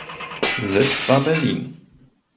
Sitz war Berlin.